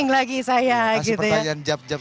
lagi saya gitu ya masih pertanyaan jab jab